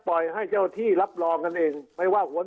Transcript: คราวนี้เจ้าหน้าที่ป่าไม้รับรองแนวเนี่ยจะต้องเป็นหนังสือจากอธิบดี